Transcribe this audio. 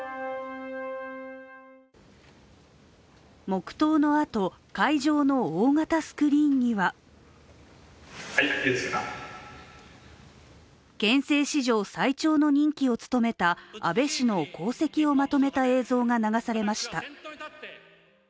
黙とうのあと、会場の大型スクリーンには憲政史上最長の任期を務めた安倍氏の功績をまとめた映像が流されました。